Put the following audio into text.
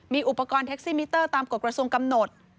มีอุปกรณ์เท็กซี่มิเตอร์ตามกฎกระทรวงกำหนด